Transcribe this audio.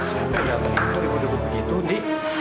siapa yang datang ke pintu ribut ribut begitu di